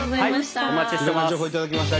お待ちしてます。